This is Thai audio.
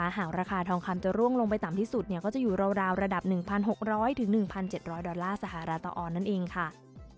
หากราคาทองคำจะร่วงลงไปต่ำที่สุดก็จะอยู่ราวระดับ๑๖๐๐๑๗๐๐ดอลลาร์สหรัฐต่อออนนั่นเองค่ะ